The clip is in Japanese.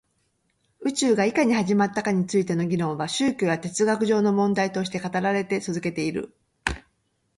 宇宙がいかに始まったかについての議論は宗教や哲学上の問題として語られて続けている